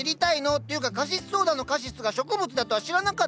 っていうかカシスソーダのカシスが植物だとは知らなかったよ！